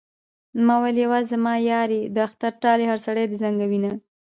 ما ويل يوازې زما يار يې د اختر ټال يې هر سړی دې زنګوينه